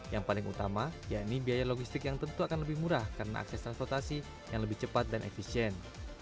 yang paling utama yakni biaya logistik yang tentu akan lebih murah karena akses transportasi yang lebih cepat dan efisien